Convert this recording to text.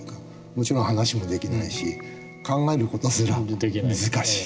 もちろん話もできないし考える事すら難しい。